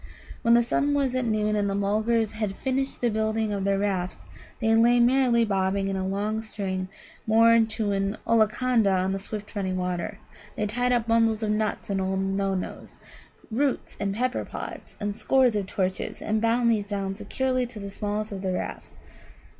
When the sun was at noon the Mulgars had finished the building of their rafts. They lay merrily bobbing in a long string moored to an Ollaconda on the swift running water. They tied up bundles of nuts, and old Nanoes, roots, and pepper pods, and scores of torches, and bound these down securely to the smallest of the rafts.